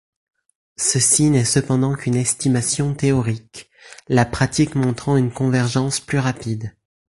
Ceci n'est cependant qu'une estimation théorique, la pratique montrant une convergence plus rapide.